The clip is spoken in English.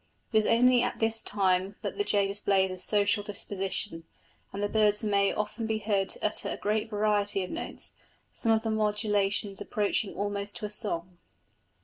It is only at this time that the jay displays a social disposition; and the birds may often be heard to utter a great variety of notes, some of the modulations approaching almost to a song."